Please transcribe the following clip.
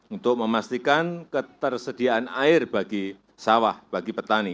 untuk memastikan ketersediaan air bagi sawah bagi petani